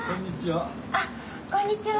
あっこんにちは。